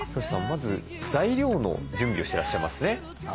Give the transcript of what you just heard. まず材料の準備をしてらっしゃいますね。